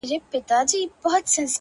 كليوال بيمار .! بيمار .! بيمار دى.!